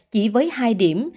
chỉ với hai điểm